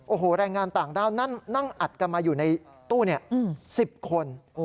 โอ้โหแรงงานต่างด้าวนั่งอัดกันมาอยู่ในตู้๑๐คน